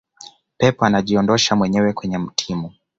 pep anajiondosha mwenyewe kwenye timu